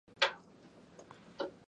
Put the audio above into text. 千葉県大網白里市